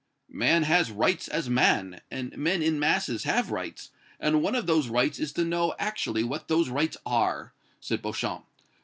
"Man has rights as man, and men in masses have rights, and one of those rights is to know actually what those rights are," said Beauchamp.